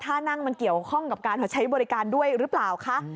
นั่งมันเกี่ยวข้องกับการใช้บริการด้วยหรือเปล่าคะ